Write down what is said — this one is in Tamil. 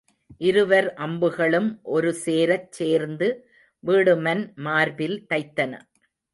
இருவர் அம்புகளும் ஒரு சேரச் சேர்ந்து வீடுமன் மார்பில் தைத்தன.